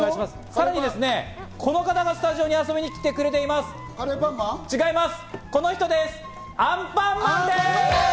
さらに、この方がスタジオに遊びに来てくれています。